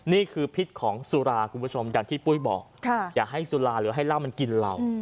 นี่คือพิษของสุราคุณผู้ชมอย่างที่ปุ้ยบอกอย่าให้สุราหรือให้เหล้ามันกินเหล้า